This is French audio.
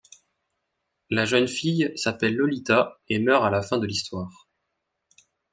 La jeune fille s'appelle Lolita, et meurt à la fin de l'histoire.